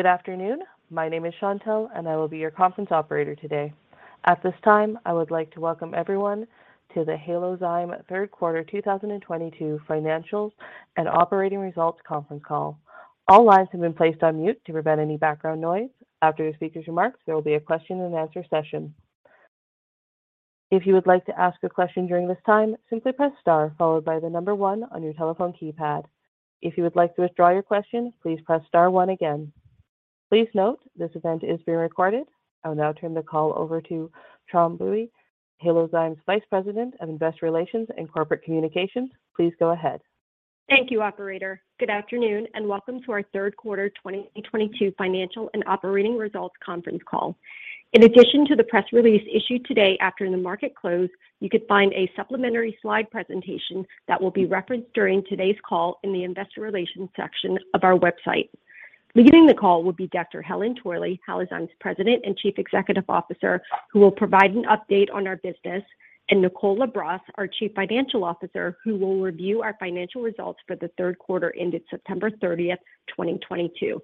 Good afternoon. My name is Chantelle, and I will be your conference operator today. At this time, I would like to welcome everyone to the Halozyme 3rd Quarter 2022 Financial and Operating Results Conference Call. All lines have been placed on mute to prevent any background noise. After the speaker's month, there will be a question and answer session. If you would like to ask a question during this time, simply press star followed by the number one your telephone keypad. If you would like to withdraw your question, please press star one again. Please note, this event is being recorded. I will now turn the call over to Tram Bui, Halozyme's Vice President of Investor Relations and Corporate Communications. Please go ahead. Thank you, operator. Good afternoon, and welcome to our 3rd quarter 2022 financial and operating results conference call. In addition to the press release issued today after the market closed, you could find a supplementary slide presentation that will be referenced during today's call in the investor relations section of our website. Leading the call will be Dr. Helen Torley, Halozyme's President and Chief Executive Officer, who will provide an update on our business, and Nicole Labrosse, our Chief Financial Officer, who will review our financial results for the 3rd quarter ended September 30th, 2022.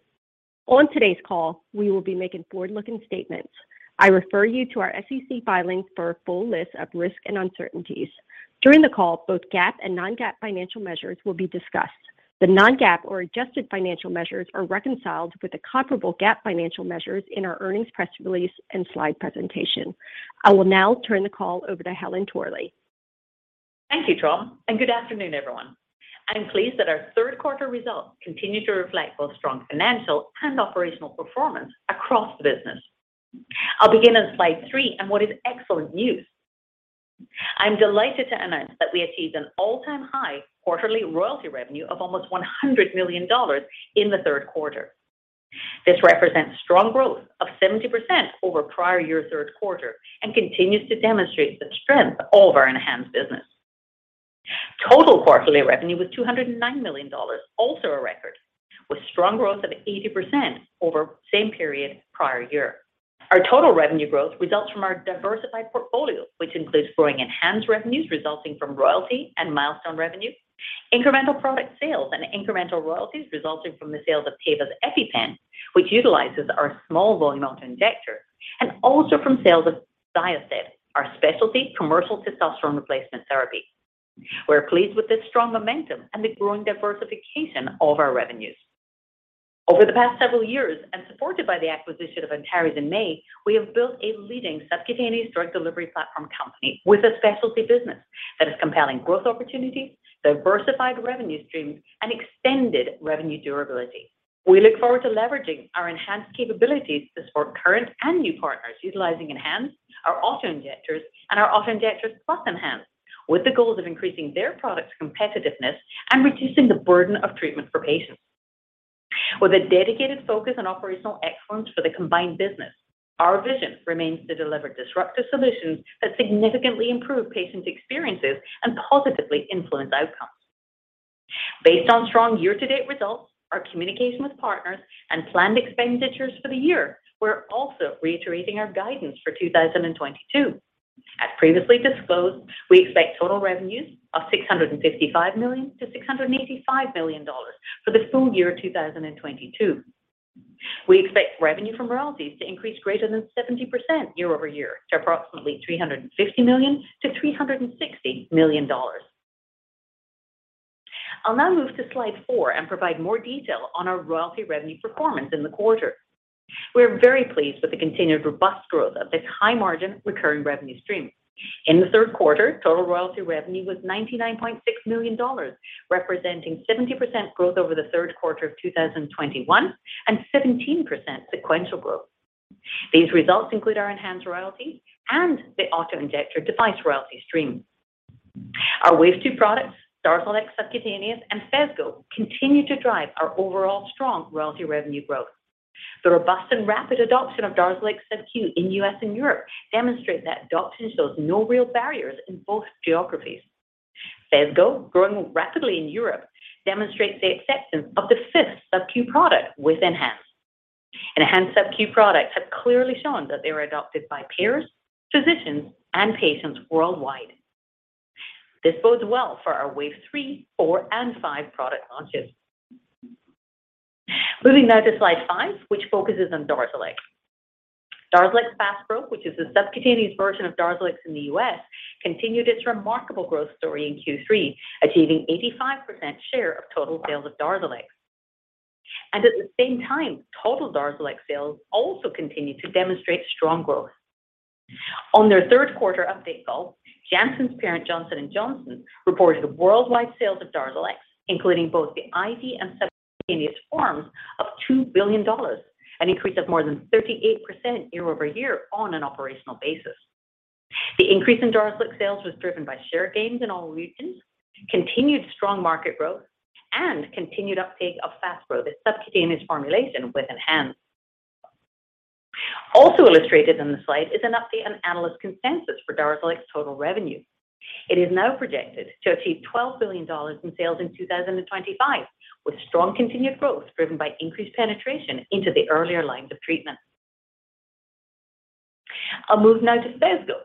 On today's call, we will be making forward-looking statements. I refer you to our SEC filings for a full list of risks and uncertainties. During the call, both GAAP and non-GAAP financial measures will be discussed. The non-GAAP or adjusted financial measures are reconciled with the comparable GAAP financial measures in our earnings press release and slide presentation. I will now turn the call over to Helen Torley. Thank you, Tram, and good afternoon, everyone. I am pleased that our 3rd quarter results continue to reflect both strong financial and operational performance across the business. I'll begin on slide three with what is excellent news. I'm delighted to announce that we achieved an all-time high quarterly royalty revenue of almost $100 million in the 3rd quarter. This represents strong growth of 70% over prior year 3rd quarter and continues to demonstrate the strength of our enhanced business. Total quarterly revenue was $209 million, also a record, with strong growth of 80% over same period prior year. Our total revenue growth results from our diversified portfolio, which includes growing ENHANZE revenues resulting from royalty and milestone revenue, incremental product sales, and incremental royalties resulting from the sales of Teva's EpiPen, which utilizes our small volume auto-injector, and also from sales of XYOSTED, our specialty commercial testosterone replacement therapy. We're pleased with this strong momentum and the growing diversification of our revenues. Over the past several years, and supported by the acquisition of Antares in May, we have built a leading subcutaneous drug delivery platform company with a specialty business that has compelling growth opportunities, diversified revenue streams, and extended revenue durability. We look forward to leveraging our ENHANZE capabilities to support current and new partners utilizing ENHANZE, our auto-injectors, and our auto-injectors plus ENHANZE, with the goals of increasing their product's competitiveness and reducing the burden of treatment for patients. With a dedicated focus on operational excellence for the combined business, our vision remains to deliver disruptive solutions that significantly improve patient experiences and positively influence outcomes. Based on strong year-to-date results, our communication with partners, and planned expenditures for the year, we're also reiterating our guidance for 2022. As previously disclosed, we expect total revenues of $655 million-$685 million for the full year 2022. We expect revenue from royalties to increase greater than 70% year-over-year to approximately $350 million-$360 million. I'll now move to slide four and provide more detail on our royalty revenue performance in the quarter. We're very pleased with the continued robust growth of this high-margin recurring revenue stream. In the 3rd quarter, total royalty revenue was $99.6 million, representing 70% growth over the 3rd quarter of 2021 and 17% sequential growth. These results include our enhanced royalties and the auto-injector device royalty stream. Our Wave Two products, DARZALEX Subcutaneous and Phesgo, continue to drive our overall strong royalty revenue growth. The robust and rapid adoption of DARZALEX sub-Q in U.S. and Europe demonstrate that adoption shows no real barriers in both geographies. Phesgo, growing rapidly in Europe, demonstrates the acceptance of the fifth sub-Q product with ENHANZE. ENHANZE sub-Q products have clearly shown that they were adopted by payers, physicians, and patients worldwide. This bodes well for our Wave Three, four, and five product launches. Moving now to slide five, which focuses on DARZALEX. DARZALEX Faspro, which is the subcutaneous version of DARZALEX in the U.S., continued its remarkable growth story in Q3, achieving 85% share of total sales of DARZALEX. At the same time, total DARZALEX sales also continued to demonstrate strong growth. On their 3rd quarter update call, Janssen's parent, Johnson & Johnson, reported worldwide sales of DARZALEX, including both the IV and subcutaneous forms, $2 billion, an increase of more than 38% year-over-year on an operational basis. The increase in DARZALEX sales was driven by share gains in all regions, continued strong market growth, and continued uptake of Faspro, the subcutaneous formulation with ENHANZE. Also illustrated in the slide is an update on analyst consensus for DARZALEX total revenue. It is now projected to achieve $12 billion in sales in 2025, with strong continued growth driven by increased penetration into the earlier lines of treatment. I'll move now to Phesgo.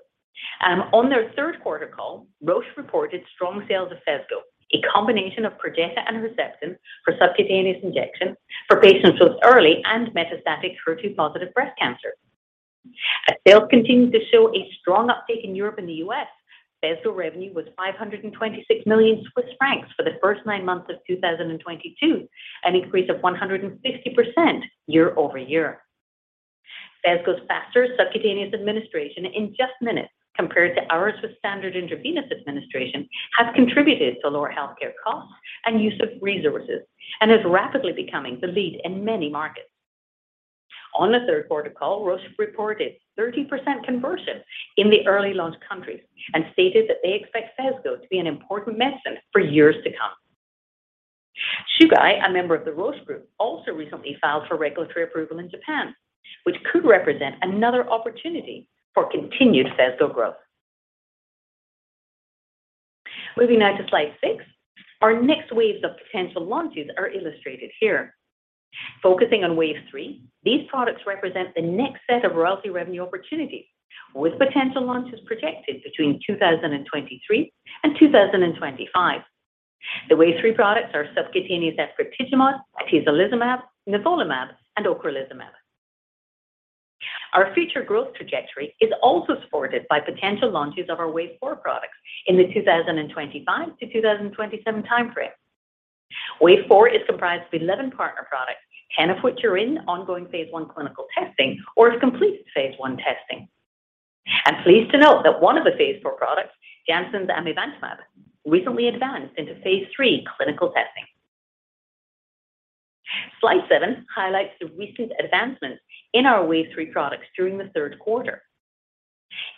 On their 3rd quarter call, Roche reported strong sales of Phesgo, a combination of Perjeta and Herceptin for subcutaneous injection for patients with early and metastatic HER2-positive breast cancer. Sales continued to show a strong uptake in Europe and the U.S.. Phesgo revenue was 526 million Swiss francs for the 1st nine months of 2022, an increase of 150% year-over-year. Phesgo's faster subcutaneous administration in just minutes compared to hours with standard intravenous administration has contributed to lower healthcare costs and use of resources and is rapidly becoming the leader in many markets. On the 3rd quarter call, Roche reported 30% conversion in the early launch countries and stated that they expect Kesimpta to be an important medicine for years to come. Chugai, a member of the Roche group, also recently filed for regulatory approval in Japan, which could represent another opportunity for continued Kesimpta growth. Moving now to slide six. Our next waves of potential launches are illustrated here. Focusing on Wave Three, these products represent the next set of royalty revenue opportunities, with potential launches projected between 2023 and 2025. The Wave Three products are subcutaneous efgartigimod, atezolizumab, nivolumab, and ocrelizumab. Our future growth trajectory is also supported by potential launches of our Wave Four products in the 2025 to 2027 timeframe. Wave Four is comprised of 11 partner products, 10 of nine which are in ongoing phase I clinical testing or have completed phase I testing. I'm pleased to note that one of the phase IV products, Janssen's amivantamab, recently advanced into phase III clinical testing. Slide seven highlights the recent advancements in Wave Three products during the 3rd quarter.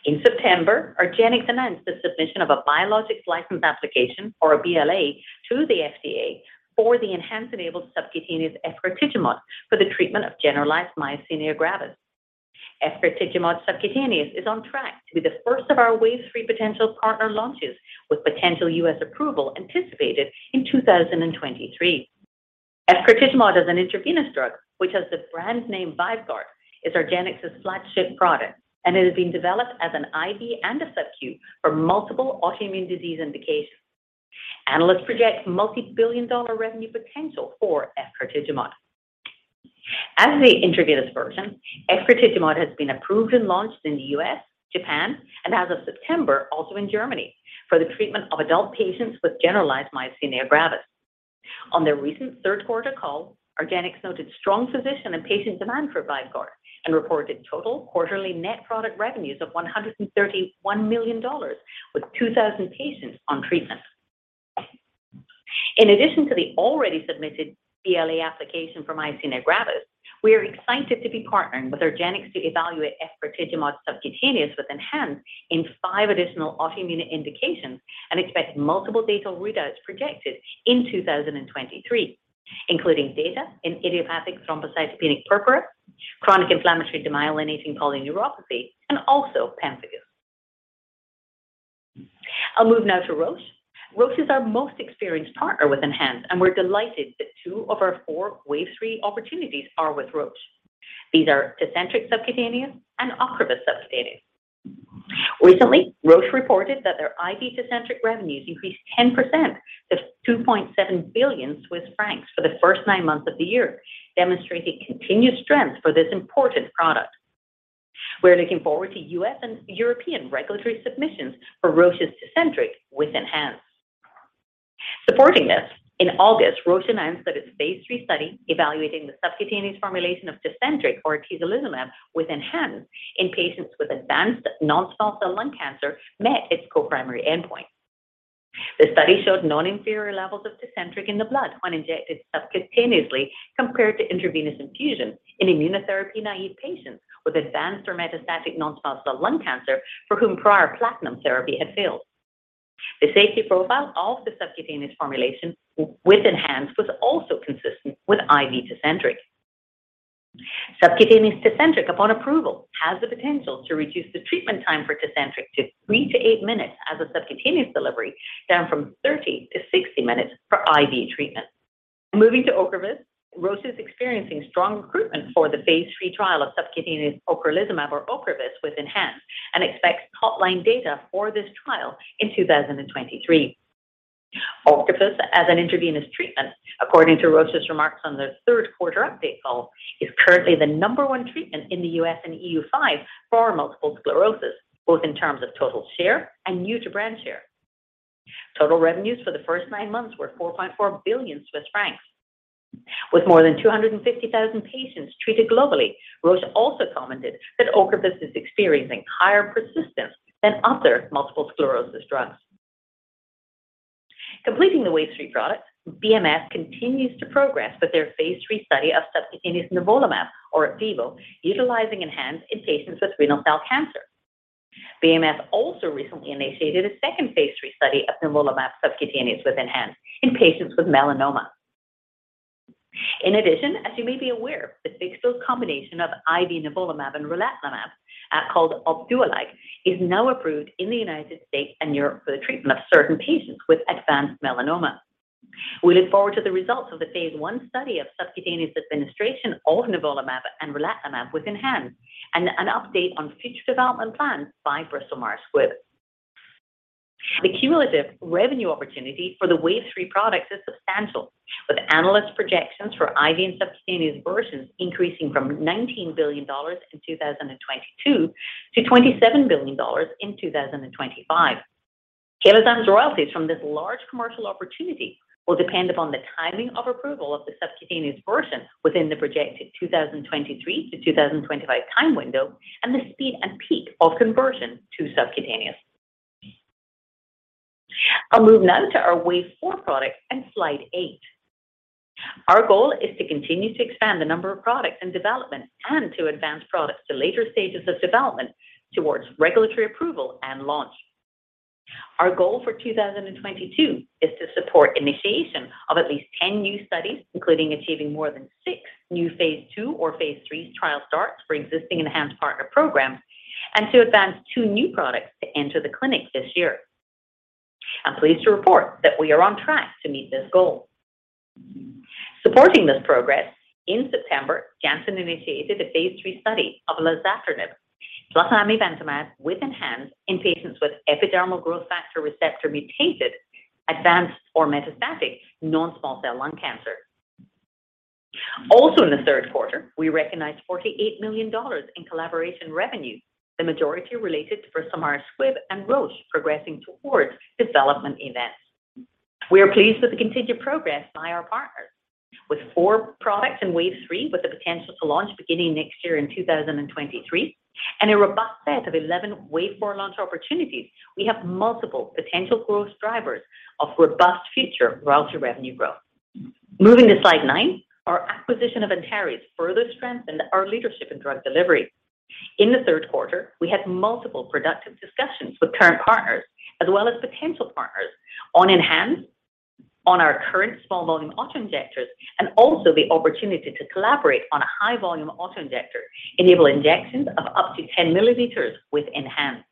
In September, argenx announced the submission of a Biologics License Application, or a BLA, to the FDA for the ENHANZE-enabled subcutaneous efgartigimod for the treatment of generalized myasthenia gravis. Efgartigimod subcutaneous is on track to be the 1st of Wave Three potential partner launches, with potential U.S. approval anticipated in 2023. Efgartigimod as an intravenous drug, which has the brand name Vyvgart, is argenx's flagship product, and it is being developed as an IV and a sub-Q for multiple autoimmune disease indications. Analysts project multi-billion dollar revenue potential for efgartigimod. As the intravenous version, efgartigimod has been approved and launched in the U.S., Japan, and as of September, also in Germany, for the treatment of adult patients with generalized myasthenia gravis. On their recent 3rd quarter call, argenx noted strong physician and patient demand for Vyvgart and reported total quarterly net product revenues of $131 million, with 2,000 patients on treatment. In addition to the already submitted BLA application for myasthenia gravis, we are excited to be partnering with argenx to evaluate efgartigimod subcutaneous with ENHANZE in five additional autoimmune indications and expect multiple data readouts projected in 2023, including data in idiopathic thrombocytopenic purpura, chronic inflammatory demyelinating polyneuropathy, and also pemphigus. I'll move now to Roche. Roche is our most experienced partner with ENHANZE, and we're delighted that two of our four Wave Three opportunities are with Roche. These are Tecentriq subcutaneous and Ocrevus subcutaneous. Recently, Roche reported that their IV Tecentriq revenues increased 10% to 2.7 billion Swiss francs for the 1st nine months of the year, demonstrating continued strength for this important product. We're looking forward to U.S. and European regulatory submissions for Roche's Tecentriq with ENHANZE. Supporting this, in August, Roche announced that its phase III study evaluating the subcutaneous formulation of Tecentriq, or atezolizumab, with ENHANZE in patients with advanced non-small cell lung cancer met its co-primary endpoint. The study showed non-inferior levels of Tecentriq in the blood when injected subcutaneously compared to intravenous infusion in immunotherapy-naive patients with advanced or metastatic non-small cell lung cancer for whom prior platinum therapy had failed. The safety profile of the subcutaneous formulation with ENHANZE was also consistent with IV Tecentriq. Subcutaneous Tecentriq, upon approval, has the potential to reduce the treatment time for Tecentriq to 3-8 minutes as a subcutaneous delivery, down from 30-60 minutes for IV treatment. Moving to Ocrevus, Roche is experiencing strong recruitment for the phase III trial of subcutaneous ocrelizumab, or Ocrevus, with ENHANZE and expects topline data for this trial in 2023. Ocrevus as an intravenous treatment, according to Roche's remarks on their 3rd quarter update call, is currently the number one treatment in the U.S. and EU5 for multiple sclerosis, both in terms of total share and new-to-brand share. Total revenues for the 1st nine months were 4.4 billion Swiss francs. With more than 250,000 patients treated globally, Roche also commented that Ocrevus is experiencing higher persistence than other multiple sclerosis drugs. Completing Wave Three products, BMS continues to progress with their phase III study of subcutaneous nivolumab, or Opdivo, utilizing ENHANZE in patients with renal cell cancer. BMS also recently initiated a 2nd phase III study of nivolumab subcutaneous with ENHANZE in patients with melanoma. In addition, as you may be aware, the fixed-dose combination of IV nivolumab and relatlimab, called Opdualag, is now approved in the United States and Europe for the treatment of certain patients with advanced melanoma. We look forward to the results of the phase I study of subcutaneous administration of nivolumab and relatlimab with ENHANZE and an update on future development plans by Bristol Myers Squibb. The cumulative revenue opportunity for the Wave Three products is substantial, with analyst projections for IV and subcutaneous versions increasing from $19 billion in 2022 to $27 billion in 2025. Halozyme's royalties from this large commercial opportunity will depend upon the timing of approval of the subcutaneous version within the projected 2023-2025 time window and the speed and peak of conversion to subcutaneous. I'll move now to our wave four product and slide eight. Our goal is to continue to expand the number of products in development and to advance products to later stages of development towards regulatory approval and launch. Our goal for 2022 is to support initiation of at least 10 new studies, including achieving more than six new phase II or phase III trial starts for existing ENHANZE partner programs, and to advance two new products to enter the clinic this year. I'm pleased to report that we are on track to meet this goal. Supporting this progress, in September, Janssen initiated a phase III study of lazertinib plus amivantamab with ENHANZE in patients with epidermal growth factor receptor mutated, advanced or metastatic non-small cell lung cancer. Also in the 3rd quarter, we recognized $48 million in collaboration revenue, the majority related to Bristol Myers Squibb and Roche progressing towards development events. We are pleased with the continued progress by our partners. With four products Wave Three with the potential to launch beginning next year in 2023, and a robust set of 11 Wave Four launch opportunities, we have multiple potential growth drivers of robust future royalty revenue growth. Moving to slide nine, our acquisition of Antares further strengthened our leadership in drug delivery. In the 3rd quarter, we had multiple productive discussions with current partners as well as potential partners on ENHANZE on our current small-volume auto-injectors and also the opportunity to collaborate on a high-volume auto-injector, enable injections of up to 10 milliliters with ENHANZE.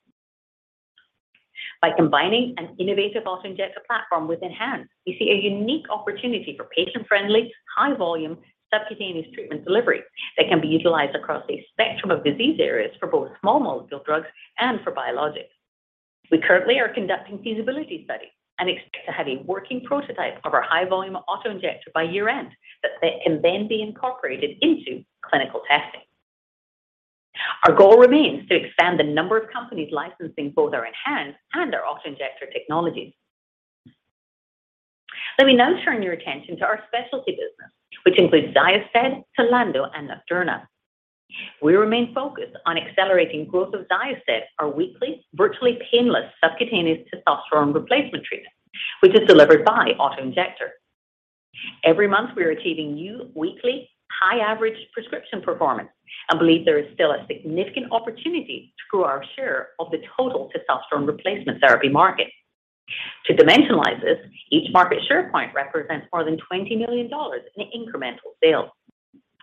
By combining an innovative auto-injector platform with ENHANZE, we see a unique opportunity for patient-friendly, high-volume subcutaneous treatment delivery that can be utilized across a spectrum of disease areas for both small molecule drugs and for biologics. We currently are conducting feasibility study and expect to have a working prototype of our high volume auto-injector by year-end that can then be incorporated into clinical testing. Our goal remains to expand the number of companies licensing both our ENHANZE and our auto-injector technologies. Let me now turn your attention to our specialty business, which includes XYOSTED, TLANDO, and Luxturna. We remain focused on accelerating growth of XYOSTED, our weekly, virtually painless subcutaneous testosterone replacement treatment, which is delivered by auto-injector. Every month, we are achieving new weekly high average prescription performance and believe there is still a significant opportunity to grow our share of the total testosterone replacement therapy market. To dimensionalize this, each market share point represents more than $20 million in incremental sales.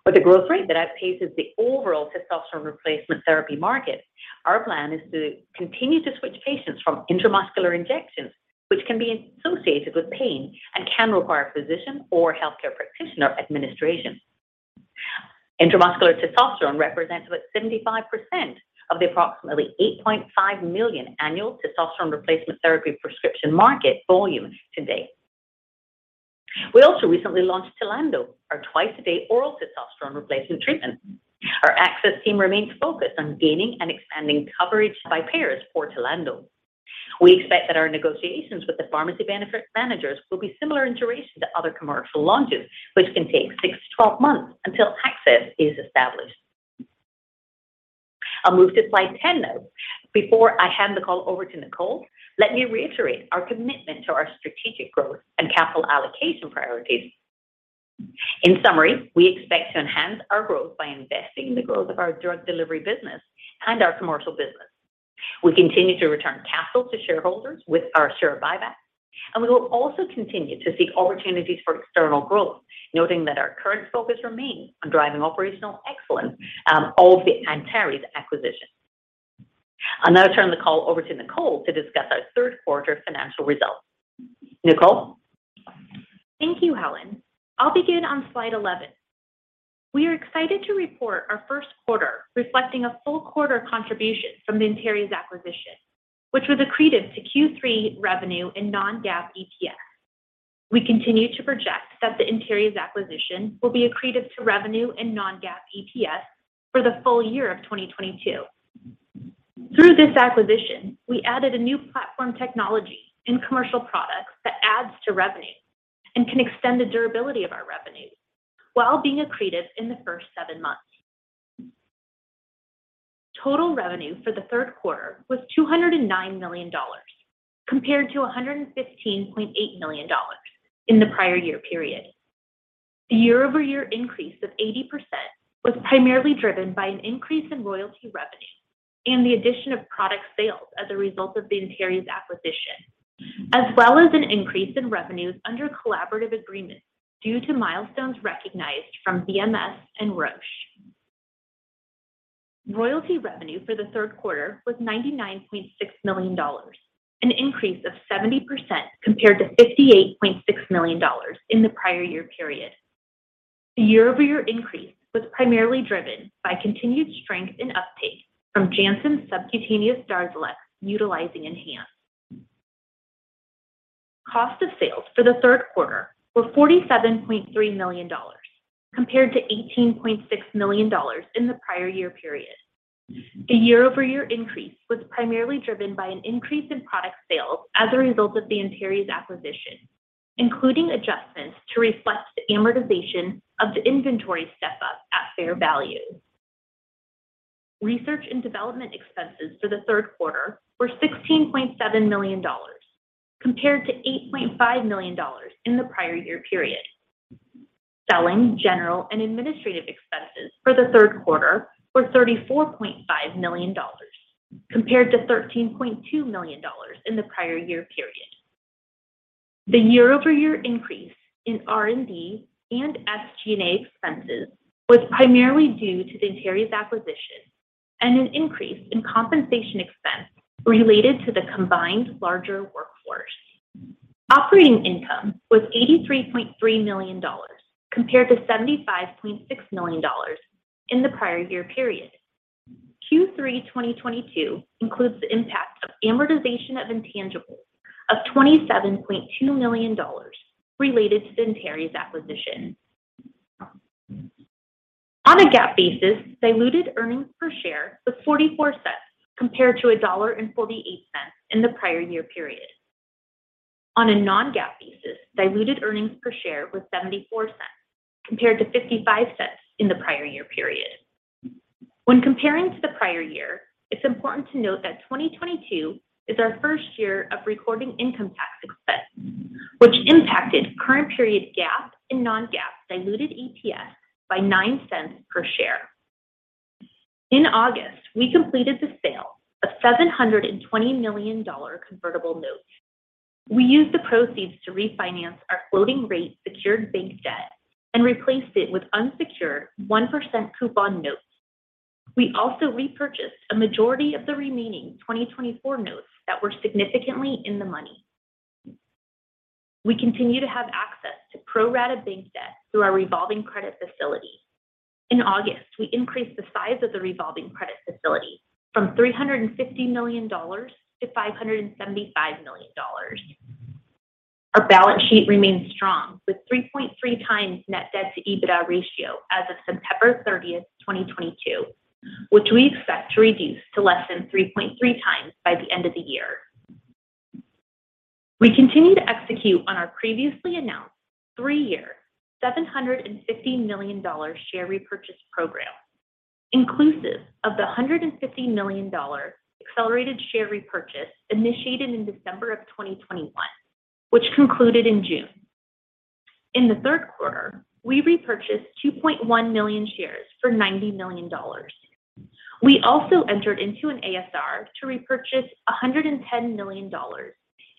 With a growth rate that outpaces the overall testosterone replacement therapy market, our plan is to continue to switch patients from intramuscular injections, which can be associated with pain and can require physician or healthcare practitioner administration. Intramuscular testosterone represents about 75% of the approximately 8.5 million annual testosterone replacement therapy prescription market volume today. We also recently launched TLANDO, our twice-a-day oral testosterone replacement treatment. Our access team remains focused on gaining and expanding coverage by payers for TLANDO. We expect that our negotiations with the pharmacy benefit managers will be similar in duration to other commercial launches, which can take six-12 months until access is established. I'll move to slide 10 now. Before I hand the call over to Nicole, let me reiterate our commitment to our strategic growth and capital allocation priorities. In summary, we expect to enhance our growth by investing in the growth of our drug delivery business and our commercial business. We continue to return capital to shareholders with our share buyback, and we will also continue to seek opportunities for external growth, noting that our current focus remains on driving operational excellence of the Antares acquisition. I'll now turn the call over to Nicole to discuss our 3rd quarter financial results. Nicole? Thank you, Helen. I'll begin on slide 11. We are excited to report our 3rd quarter, reflecting a full quarter contribution from the Antares acquisition, which was accretive to Q3 revenue and non-GAAP EPS. We continue to project that the Antares acquisition will be accretive to revenue and non-GAAP EPS for the full year of 2022. Through this acquisition, we added a new platform technology and commercial products that adds to revenue and can extend the durability of our revenue while being accretive in the 1st seven months. Total revenue for the 3rd quarter was $209 million, compared to $115.8 million in the prior year period. The year-over-year increase of 80% was primarily driven by an increase in royalty revenue and the addition of product sales as a result of the Antares acquisition, as well as an increase in revenues under collaborative agreements due to milestones recognized from BMS and Roche. Royalty revenue for the 3rd quarter was $99.6 million, an increase of 70% compared to $58.6 million in the prior year period. The year-over-year increase was primarily driven by continued strength in uptake from Janssen's subcutaneous DARZALEX utilizing ENHANZE. Cost of sales for the 3rd quarter were $47.3 million compared to $18.6 million in the prior year period. The year-over-year increase was primarily driven by an increase in product sales as a result of the Antares acquisition, including adjustments to reflect the amortization of the inventory step-up at fair value. Research and development expenses for the 3rd quarter were $16.7 million, compared to $8.5 million in the prior year period. Selling, general, and administrative expenses for the 3rd quarter were $34.5 million, compared to $13.2 million in the prior year period. The year-over-year increase in R&D and SG&A expenses was primarily due to the Antares acquisition and an increase in compensation expense related to the combined larger workforce. Operating income was $83.3 million, compared to $75.6 million in the prior year period. Q3 2022 includes the impact of amortization of intangibles of $27.2 million related to the Antares acquisition. On a GAAP basis, diluted earnings per share was $0.44 compared to $1.48 in the prior year period. On a non-GAAP basis, diluted earnings per share was $0.74 compared to $0.55 in the prior year period. When comparing to the prior year, it's important to note that 2022 is our 1st year of recording income tax expense, which impacted current period GAAP and non-GAAP diluted EPS by $0.09 per share. In August, we completed the sale of $720 million convertible note. We used the proceeds to refinance our floating rate secured bank debt and replaced it with unsecured 1% coupon note. We also repurchased a majority of the remaining 24 notes that were significantly in the money. We continue to have access to pro rata bank debt through our revolving credit facility. In August, we increased the size of the revolving credit facility from $350 million to $575 million. Our balance sheet remains threetrong, with 3.3x net debt to EBITDA ratio as of September 30, 2022, which we expect to reduce to less than 3.3x by the end of the year. We continue to execute on our previously announced three year, $750 million share repurchase program, inclusive of the $150 million accelerated share repurchase initiated in December 2021, which concluded in June. In the 3rd quarter, we repurchased 2.1 million shares for $90 million. We also entered into an ASR to repurchase $110 million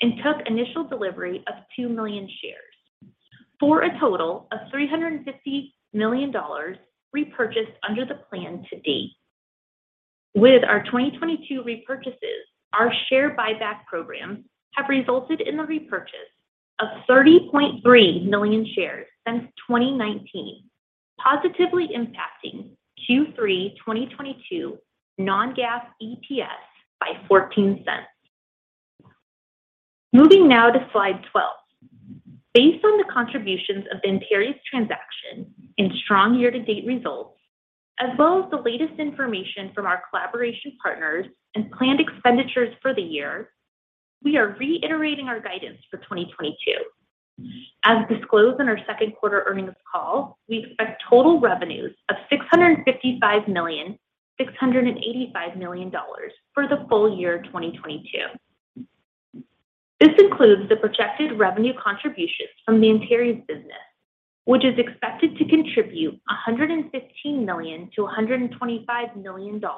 and took initial delivery of two million shares for a total of $350 million repurchased under the plan to date. With our 2022 repurchases, our share buyback programs have resulted in the repurchase of 30.3 million shares since 2019, positively impacting Q3 2022 non-GAAP EPS by $0.14. Moving now to slide 12. Based on the contributions of the Antares transaction and strong year-to-date results, as well as the latest information from our collaboration partners and planned expenditures for the year, we are reiterating our guidance for 2022. As disclosed in our 2nd quarter earnings call, we expect total revenues of $655 million-$685 million for the full year 2022. This includes the projected revenue contributions from the Antares business, which is expected to contribute $115 million-$125 million to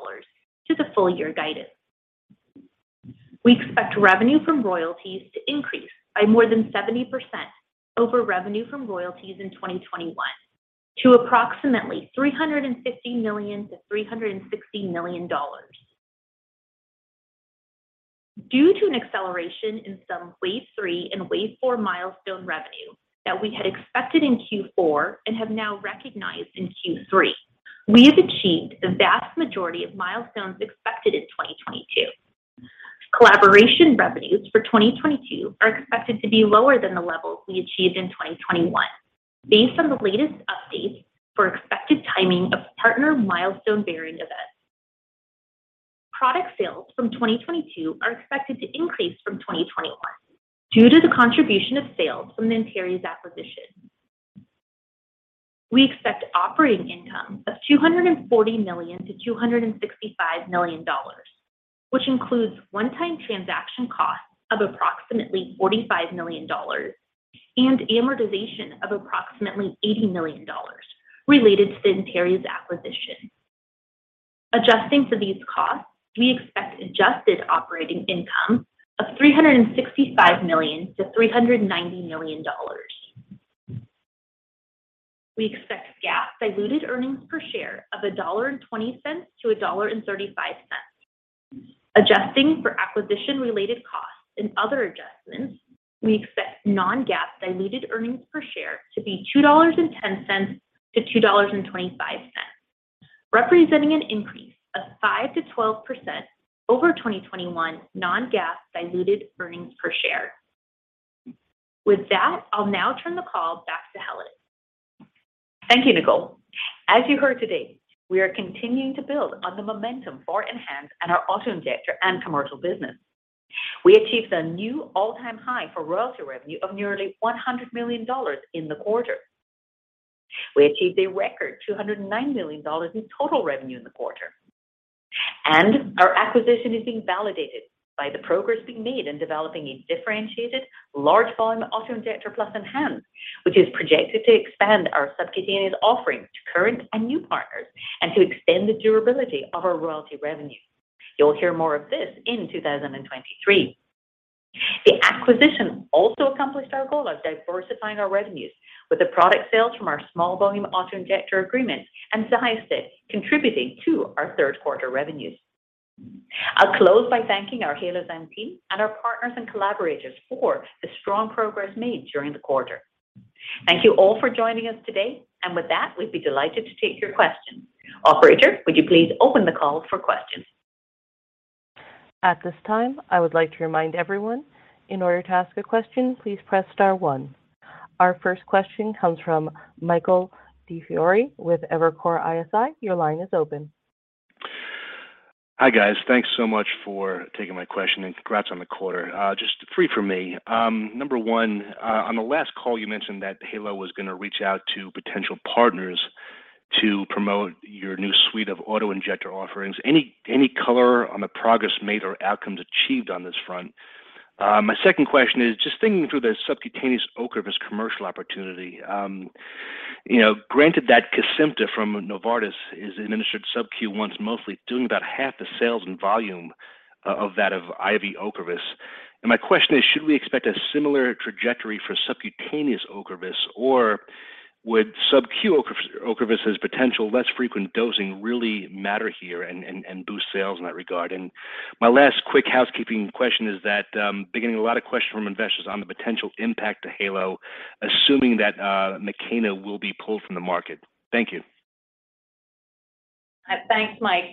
the full year guidance. We expect revenue from royalties to increase by more than 70% over revenue from royalties in 2021 to approximately $350 million-$360 million. Due to an acceleration in some Wave Three and Wave Four milestone revenue that we had expected in Q4 and have now recognized in Q3, we have achieved the vast majority of milestones expected in 2022. Collaboration revenues for 2022 are expected to be lower than the levels we achieved in 2021 based on the latest updates for expected timing of partner milestone-bearing events. Product sales from 2022 are expected to increase from 2021 due to the contribution of sales from the Antares acquisition. We expect operating income of $240 million-$265 million, which includes one-time transaction costs of approximately $45 million and amortization of approximately $80 million related to the Antares acquisition. Adjusting to these costs, we expect adjusted operating income of $365 million-$390 million. We expect GAAP diluted earnings per share of $1.20-$1.35. Adjusting for acquisition-related costs and other adjustments, we expect non-GAAP diluted earnings per share to be $2.10-$2.25, representing an increase of 5%-12% over 2021 non-GAAP diluted earnings per share. With that, I'll now turn the call back to Helen. Thank you, Nicole. As you heard today, we are continuing to build on the momentum for ENHANZE and our auto-injector and commercial business. We achieved a new all-time high for royalty revenue of nearly $100 million in the quarter. We achieved a record $209 million in total revenue in the quarter. Our acquisition is being validated by the progress being made in developing a differentiated large volume auto-injector plus ENHANZE, which is projected to expand our subcutaneous offering to current and new partners and to extend the durability of our royalty revenue. You'll hear more of this in 2023. The acquisition also accomplished our goal of diversifying our revenues with the product sales from our small volume auto-injector agreement and XYOSTED contributing to our 3rd quarter revenues. I'll close by thanking our Halozyme team and our partners and collaborators for the strong progress made during the quarter. Thank you all for joining us today. With that, we'd be delighted to take your questions. Operator, would you please open the call for questions? At this time, I would like to remind everyone, in order to ask a question, please press star one. Our 1st question comes from Michael DiFiore with Evercore ISI. Your line is open. Hi, guys. Thanks so much for taking my question, and congrats on the quarter. Just three from me. Number one, on the last call, you mentioned that Halo was going to reach out to potential partners to promote your new suite of auto-injector offerings. Any color on the progress made or outcomes achieved on this front? My 2nd question is just thinking through the subcutaneous Ocrevus commercial opportunity. You know, granted that Kesimpta from Novartis is administered sub-Q once monthly doing about half the sales and volume of IV Ocrevus. My question is, should we expect a similar trajectory for subcutaneous Ocrevus, or would sub-Q Ocrevus' potential less frequent dosing really matter here and boost sales in that regard? My last quick housekeeping question is that I've been getting a lot of questions from investors on the potential impact to Halozyme, assuming that Makena will be pulled from the market. Thank you. Thanks, Mike.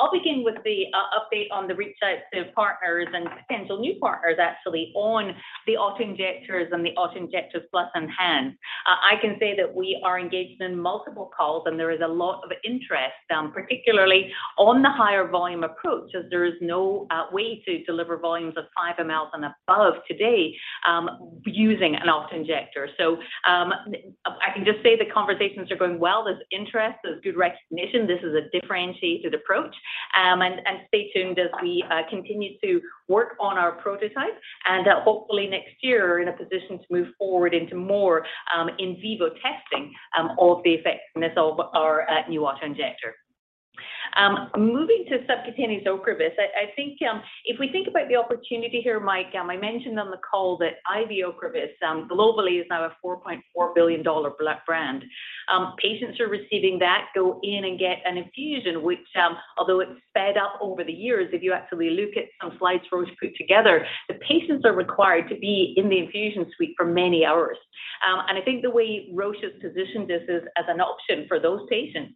I'll begin with the update on the reach out to partners and potential new partners actually on the auto-injectors and the auto-injectors plus ENHANZE. I can say that we are engaged in multiple calls, and there is a lot of interest, particularly on the higher volume approach, as there is no way to deliver volumes of 5 mL and above today, using an auto-injector. I can just say the conversations are going well. There's interest, there's good recognition. This is a differentiated approach. Stay tuned as we continue to work on our prototype, and hopefully next year are in a position to move forward into more in vivo testing of the effectiveness of our new auto-injector. Moving to subcutaneous Ocrevus, I think, if we think about the opportunity here, Michael, I mentioned on the call that IV Ocrevus, globally is now a $4.4 billion brand. Patients who are receiving that go in and get an infusion, which, although it's sped up over the years, if you actually look at some slides Roche put together, the patients are required to be in the infusion suite for many hours. I think the way Roche has positioned this is as an option for those patients,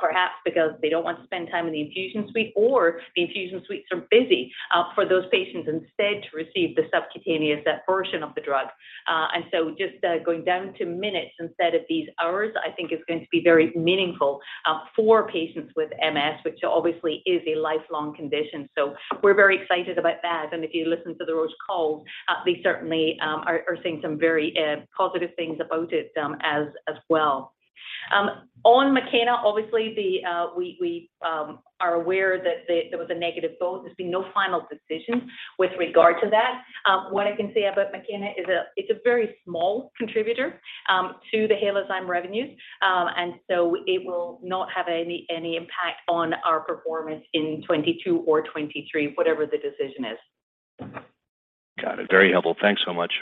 perhaps because they don't want to spend time in the infusion suite or the infusion suites are busy, for those patients instead to receive the subcutaneous version of the drug. Just going down to minutes instead of these hours I think is going to be very meaningful for patients with MS, which obviously is a lifelong condition. We're very excited about that. If you listen to the Roche calls, they certainly are saying some very positive things about it, as well. On Makena, obviously we are aware that there was a negative note. There's been no final decision with regard to that. What I can say about Makena is, it's a very small contributor to the Halozyme revenues. It will not have any impact on our performance in 2022 or 2023, whatever the decision is. Got it. Very helpful. Thanks so much.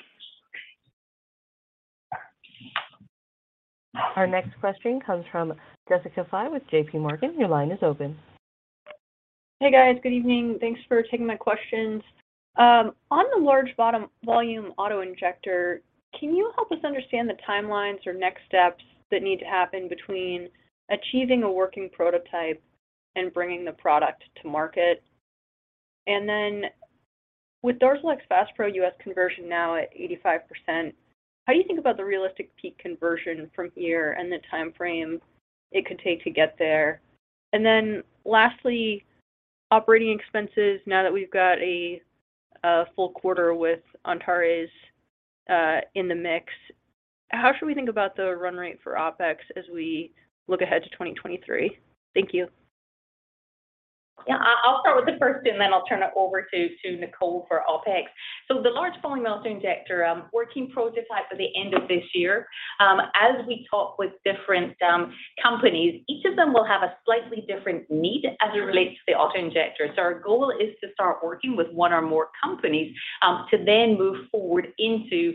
Our next question comes from Jessica Fye with JP Morgan. Your line is open. Hey, guys. Good evening. Thanks for taking my questions. On the large volume auto-injector, can you help us understand the timelines or next steps that need to happen between achieving a working prototype and bringing the product to market? With DARZALEX Faspro US conversion now at 85%, how do you think about the realistic peak conversion from here and the time frame it could take to get there? Lastly, operating expenses. Now that we've got a full quarter with Antares in the mix, how should we think about the run rate for OpEx as we look ahead to 2023? Thank you. I'll start with the 1st, and then I'll turn it over to Nicole for OpEx. The large volume auto-injector, working prototype at the end of this year. As we talk with different companies, each of them will have a slightly different need as it relates to the auto-injector. Our goal is to start working with one or more companies to then move forward into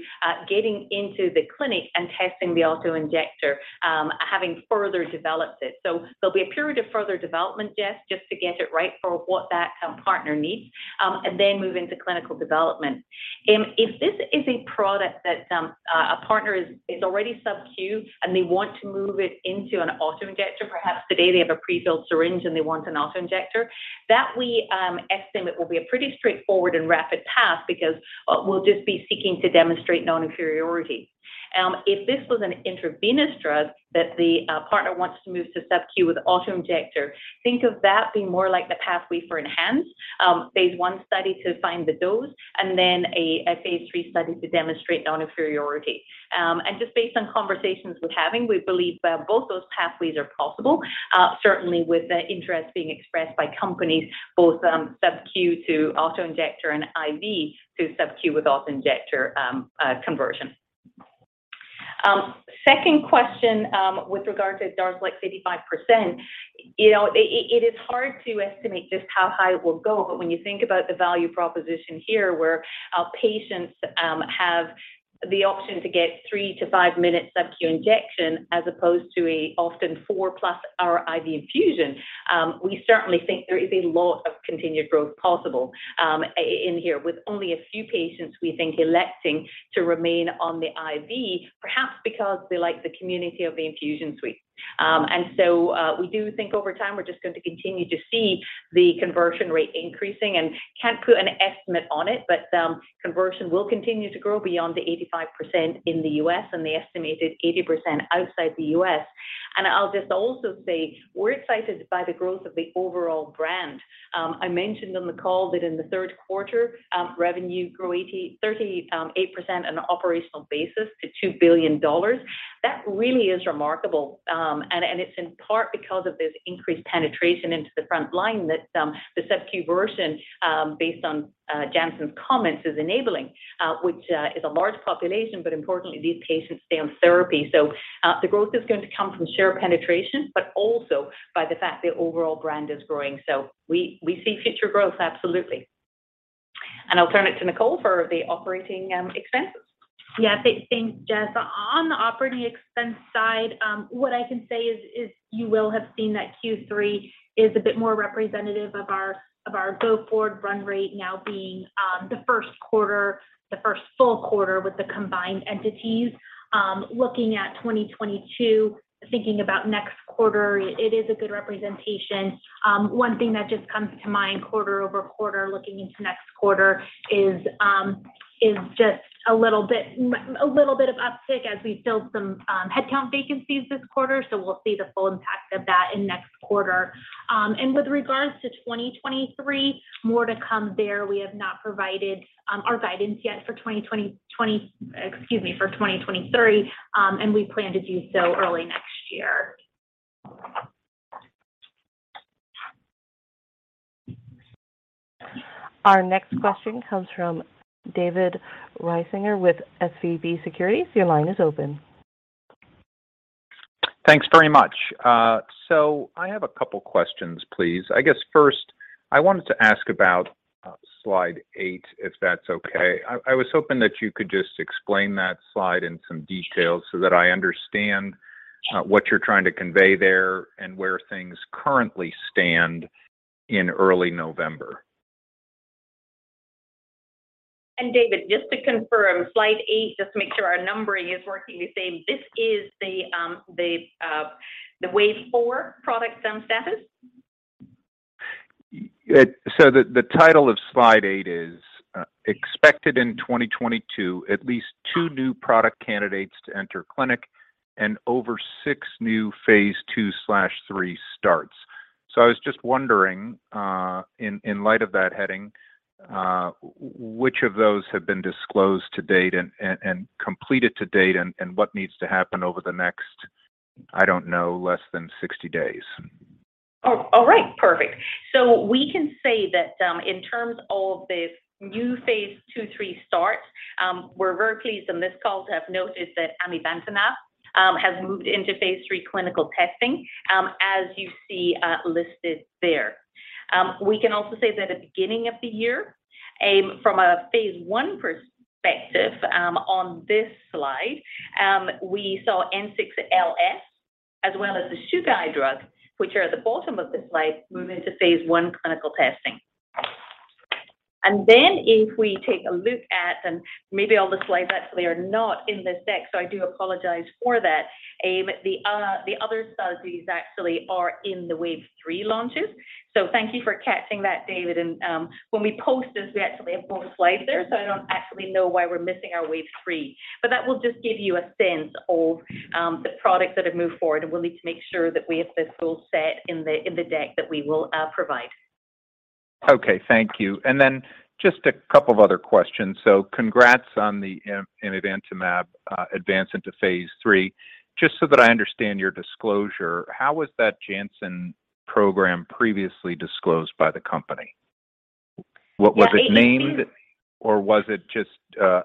getting into the clinic and testing the auto-injector, having further developed it. There'll be a period of further development, Jess, just to get it right for what that partner needs, and then move into clinical development. If this is a product that a partner is already sub-Q and they want to move it into an auto-injector, perhaps today they have a prefilled syringe and they want an auto-injector, that we estimate will be a pretty straightforward and rapid path because we'll just be seeking to demonstrate non-inferiority. If this was an intravenous drug that the partner wants to move to sub-Q with auto-injector, think of that being more like the pathway for ENHANZE, phase one study to find the dose, and then a phase three study to demonstrate non-inferiority. Just based on conversations we're having, we believe that both those pathways are possible, certainly with the interest being expressed by companies both, sub-Q to auto-injector and IV to sub-Q with auto-injector, conversion. 2nd question, with regard to DARZALEX 85%, you know, it is hard to estimate just how high it will go. But when you think about the value proposition here, where our patients have the option to get 3- to five5-minute sub-Q injection as opposed to an often 4+ hour IV infusion, we certainly think there is a lot of continued growth possible in here, with only a few patients, we think, electing to remain on the IV, perhaps because they like the community of the infusion suite. We do think over time we're just going to continue to see the conversion rate increasing and can't put an estimate on it, but conversion will continue to grow beyond the 85% in the US and the estimated 80% outside the US. I'll just also say we're excited by the growth of the overall brand. I mentioned on the call that in the 3rd quarter revenue grew 38% on an operational basis to $2 billion. That really is remarkable. It's in part because of this increased penetration into the front line that the sub-Q version, based on Janssen's comments, is enabling, which is a large population. Importantly, these patients stay on therapy. The growth is going to come from share penetration, but also by the fact the overall brand is growing. We see future growth, absolutely. I'll turn it to Nicole for the operating expenses. Yeah. Thanks, Jessica Fye. On the operating expense side, what I can say is you will have seen that Q3 is a bit more representative of our go-forward run rate now being the 1st full quarter with the combined entities. Looking at 2022, thinking about next quarter, it is a good representation. One thing that just comes to mind quarter-over-quarter, looking into next quarter is just a little bit of uptick as we filled some headcount vacancies this quarter. So we'll see the full impact of that in next quarter. With regards to 2023, more to come there. We have not provided our guidance yet for 2023, and we plan to do so early next year. Our next question comes from David Risinger with SVB Securities. Your line is open. Thanks very much. I have a couple questions, please. I guess 1st I wanted to ask about slide eight, if that's okay. I was hoping that you could just explain that slide in some detail so that I understand what you're trying to convey there and where things currently stand in early November. David, just to confirm, slide eight, just to make sure our numbering is working, you're saying this is the wave four product stem status? The title of slide eight is, "Expected in 2022, at least 2 new product candidates to enter clinic and over six new phase II/3 starts." I was just wondering, in light of that heading, which of those have been disclosed to date and completed to date and what needs to happen over the next, I don't know, less than 60 days? Oh, all right. Perfect. We can say that, in terms of the new phase II/3 starts, we're very pleased on this call to have noted that amivantamab has moved into phase III clinical testing, as you see, listed there. We can also say that at the beginning of the year, from a phase I perspective, on this slide, we saw N6LS, as well as the SUGE-I drug, which are at the bottom of the slide, move into phase I clinical testing. Maybe all the slides actually are not in this deck, so I do apologize for that. The other studies actually are in Wave Three launches. Thank you for catching that, David. When we post this, we actually have both slides there. I don't actually know why we're missing our Wave Three. That will just give you a sense of the products that have moved forward, and we'll need to make sure that we have this full set in the deck that we will provide. Okay. Thank you. Just a couple of other questions. Congrats on the imatinib advance into phase III. Just so that I understand your disclosure, how was that Janssen program previously disclosed by the company? Was it named- Yeah. was it just,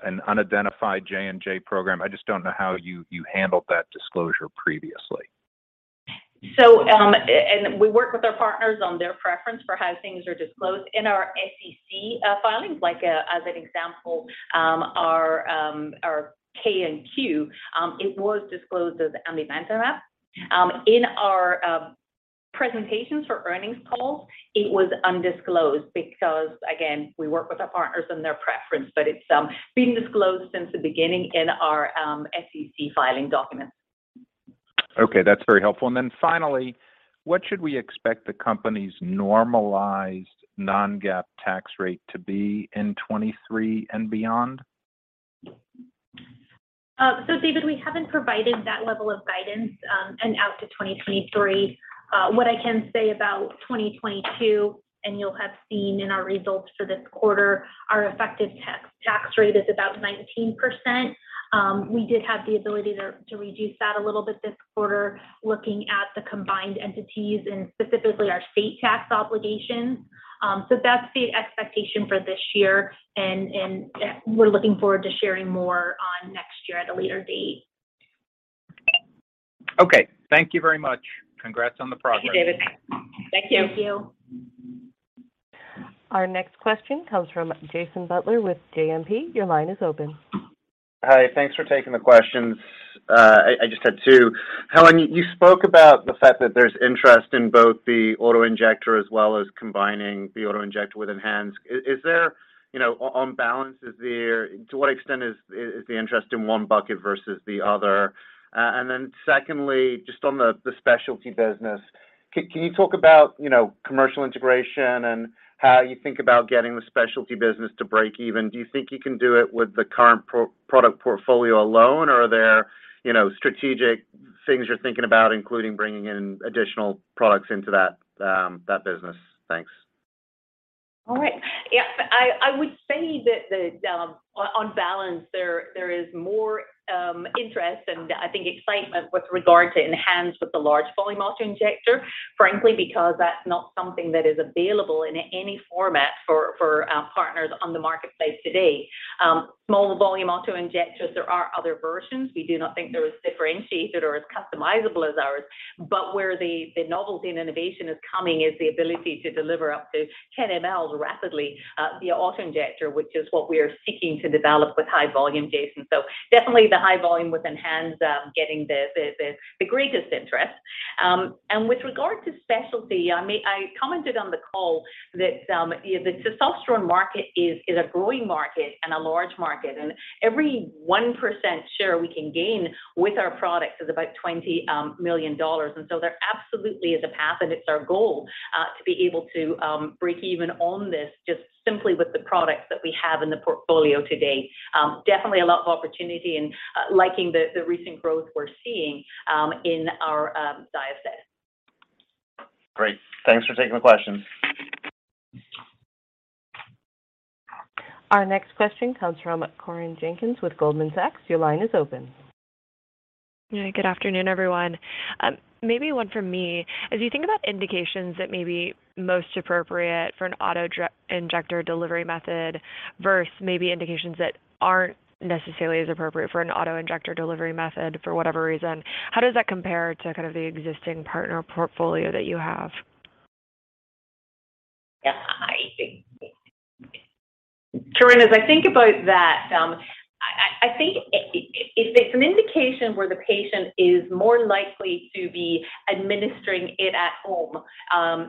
an unidentified J&J program? I just don't know how you handled that disclosure previously. We work with our partners on their preference for how things are disclosed. In our SEC filings, like, as an example, our 10-K and 10-Q, it was disclosed as amivantamab. In our presentations for earnings calls, it was undisclosed because, again, we work with our partners and their preference, but it's been disclosed since the beginning in our SEC filing documents. Okay, that's very helpful. What should we expect the company's normalized non-GAAP tax rate to be in 2023 and beyond? David, we haven't provided that level of guidance and out to 2023. What I can say about 2022, and you'll have seen in our results for this quarter, our effective tax rate is about 19%. We did have the ability to reduce that a little bit this quarter, looking at the combined entities and specifically our state tax obligations. That's the expectation for this year and we're looking forward to sharing more on next year at a later date. Okay. Thank you very much. Congrats on the progress. Thank you, David. Thank you. Thank you. Our next question comes from Jason Butler with JMP. Your line is open. Hi. Thanks for taking the questions. I just had two. Helen, you spoke about the fact that there's interest in both the auto-injector as well as combining the auto-injector with ENHANZE. Is there, you know, on balance, to what extent is the interest in one bucket versus the other? And then secondly, just on the specialty business, can you talk about, you know, commercial integration and how you think about getting the specialty business to break even? Do you think you can do it with the current proprietary product portfolio alone or are there, you know, strategic things you're thinking about, including bringing in additional products into that business? Thanks. All right. Yeah. I would say that on balance there is more interest and I think excitement with regard to ENHANZE with the large volume auto-injector, frankly, because that's not something that is available in any format for partners on the marketplace today. Small volume auto-injectors, there are other versions. We do not think they're as differentiated or as customizable as ours. But where the novelty and innovation is coming is the ability to deliver up to 10 mL rapidly via auto-injector, which is what we are seeking to develop with high volume, Jason. So definitely the high volume with ENHANZE getting the greatest interest. And with regard to specialty, I mean, I commented on the call that the testosterone market is a growing market and a large market. Every 1% share we can gain with our products is about $20 million. There absolutely is a path, and it's our goal to be able to break even on this just simply with the products that we have in the portfolio today. Definitely a lot of opportunity and liking the recent growth we're seeing in our Darzalex. Great. Thanks for taking the question. Our next question comes from Corinne Jenkins with Goldman Sachs. Your line is open. Yeah. Good afternoon, everyone. Maybe one for me. As you think about indications that may be most appropriate for an auto-injector delivery method versus maybe indications that aren't necessarily as appropriate for an auto-injector delivery method for whatever reason, how does that compare to kind of the existing partner portfolio that you have? Yeah. I think, Corinne, as I think about that, I think if it's an indication where the patient is more likely to be administering it at home,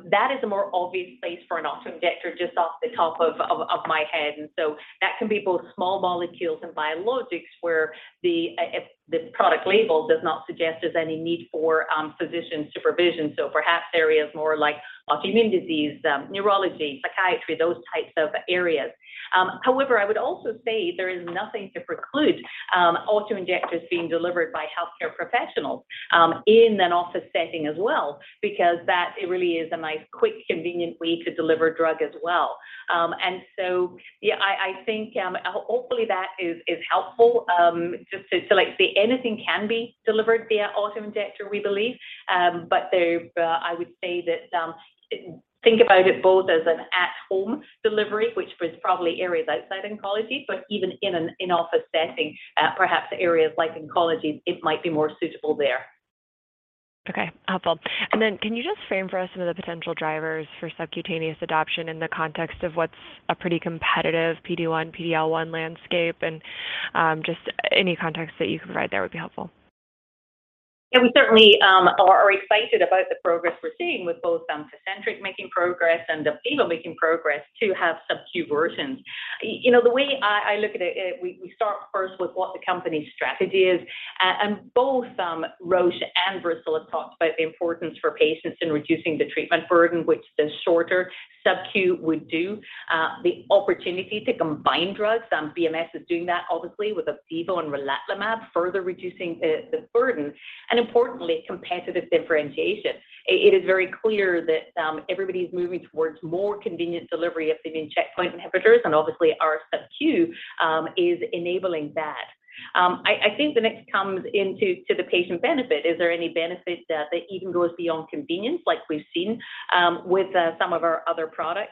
that is a more obvious place for an auto-injector, just off the top of my head. That can be both small molecules and biologics, where if the product label does not suggest there's any need for physician supervision. Perhaps areas more like autoimmune disease, neurology, psychiatry, those types of areas. However, I would also say there is nothing to preclude auto-injectors being delivered by healthcare professionals in an office setting as well, because that really is a nice, quick, convenient way to deliver drug as well. Yeah, I think hopefully that is helpful. Just to like say anything can be delivered via auto-injector, we believe. There, I would say that, think about it both as an at-home delivery, which is probably areas outside oncology. Even in an in-office setting, perhaps areas like oncology, it might be more suitable there. Okay. Helpful. Can you just frame for us some of the potential drivers for subcutaneous adoption in the context of what's a pretty competitive PD-1, PD-L1 landscape? And, just any context that you can provide there would be helpful. Yeah, we certainly are excited about the progress we're seeing with both Tecentriq making progress and Opdivo making progress to have subcu versions. You know, the way I look at it, we start 1st with what the company's strategy is. Both Roche and Bristol have talked about the importance for patients in reducing the treatment burden, which the shorter subcu would do. The opportunity to combine drugs, BMS is doing that obviously with Opdivo and relatlimab, further reducing the burden and importantly, competitive differentiation. It is very clear that everybody's moving towards more convenient delivery of immune checkpoint inhibitors and obviously our subcu is enabling that. I think the next comes into the patient benefit. Is there any benefit that even goes beyond convenience like we've seen with some of our other products?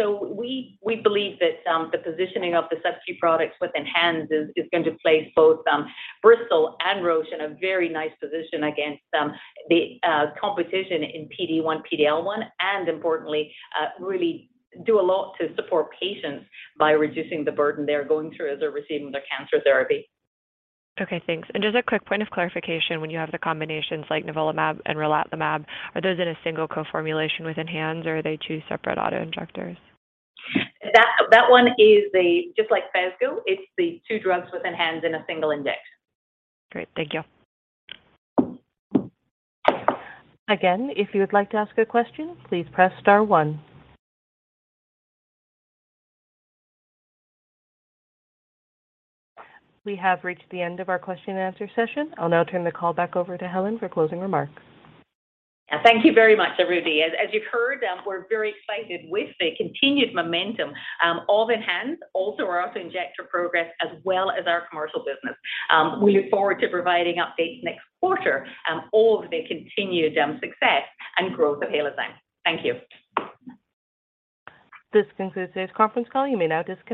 We believe that the positioning of the subcu products with ENHANZE is going to place both Bristol and Roche in a very nice position against the competition in PD-1, PD-L1, and importantly, really do a lot to support patients by reducing the burden they're going through as they're receiving their cancer therapy. Okay, thanks. Just a quick point of clarification. When you have the combinations like nivolumab and relatlimab, are those in a single co-formulation with ENHANZE or are they two separate auto-injectors? That one is just like Phesgo, it's the two drugs with ENHANZE in a single injection. Great. Thank you. Again, if you would like to ask a question, please press star one. We have reached the end of our question and answer session. I'll now turn the call back over to Helen for closing remarks. Thank you very much, everybody. As you've heard, we're very excited with the continued momentum of ENHANZE, also our auto-injector progress as well as our commercial business. We look forward to providing updates next quarter of the continued success and growth of Halozyme. Thank you. This concludes today's conference call. You may now disconnect.